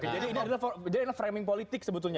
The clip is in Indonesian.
jadi ini adalah framing politik sebetulnya